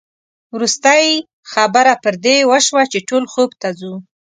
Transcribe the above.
وروستۍ خبره پر دې وشوه چې ټول خوب ته ځو.